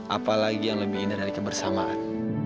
apalagi yang lebih indah dari kebersamaan